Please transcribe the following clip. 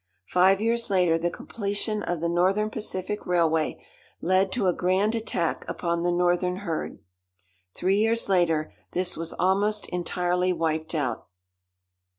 Five years later the completion of the Northern Pacific railway led to a grand attack upon the northern herd. Three years later this was almost entirely wiped out.